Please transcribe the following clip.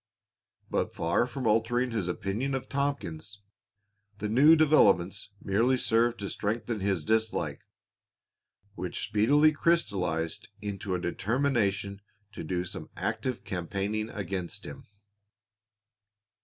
But far from altering his opinion of Tompkins, the new developments merely served to strengthen his dislike, which speedily crystallized into a determination to do some active campaigning against him.